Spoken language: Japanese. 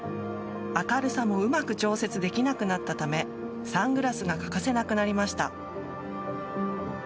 明るさもうまく調整できなくなったためサングラスが欠かせなくなりました。